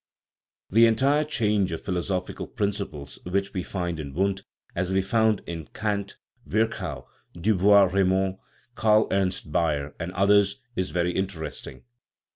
This entire change of philosophical principles, which we find in Wundt, as we found it in Kant, Virchow, Du Bois Reymond, Karl Ernst Baer, and others, is very interesting.